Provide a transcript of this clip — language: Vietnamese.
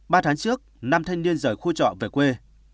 ba tháng trước nam thanh niên rời khu trọ về quê